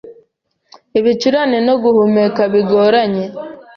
ibicurane no guhumeka bigoranye,